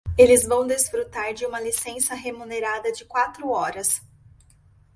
Eles vão desfrutar de uma licença remunerada de quatro horas.